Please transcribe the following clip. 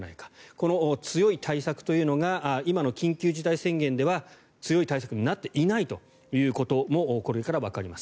この強い対策というのが今の緊急事態宣言では強い対策になっていないということもこれからわかります。